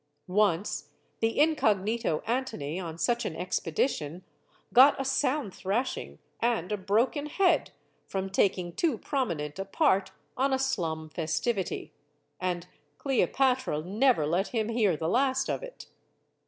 Once, the incognito Antony, pn such an expedition, got a sound thrashing and a broken head from taking too prominent a part on a slum festivity. And Cleo patra never let him hear the last of it.